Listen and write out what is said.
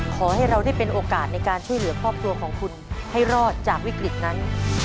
ขอให้เราได้เป็นโอกาสในการช่วยเหลือครอบครัวของคุณให้รอดจากวิกฤตนั้น